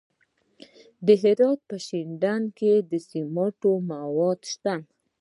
د هرات په شینډنډ کې د سمنټو مواد شته.